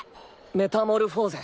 メタモルフォーゼ。